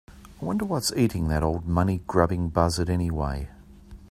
I wonder what's eating that old money grubbing buzzard anyway?